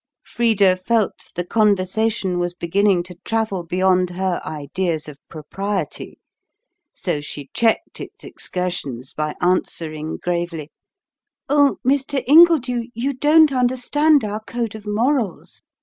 Frida felt the conversation was beginning to travel beyond her ideas of propriety, so she checked its excursions by answering gravely: "Oh, Mr. Ingledew, you don't understand our code of morals.